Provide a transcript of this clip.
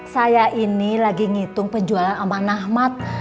saya ini lagi ngitung penjualan ambang nahmat